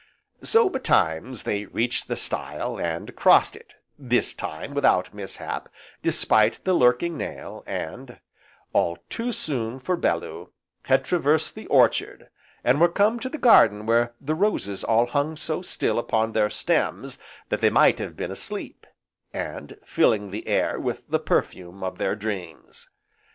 So, betimes, they reached the stile, and crossed it, this time without mishap, despite the lurking nail and, all too soon for Bellew, had traversed the orchard, and were come to the garden where the roses all hung so still upon their stems that they might have been asleep, and filling the air with the perfume of their dreams.